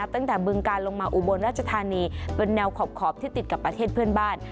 บึงการลงมาอุบลราชธานีเป็นแนวขอบที่ติดกับประเทศเพื่อนบ้าน